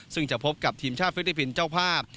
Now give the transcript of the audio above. ซึ่งจะพบกับทีมชาติฟิลิปปินส์เจ้าภาพ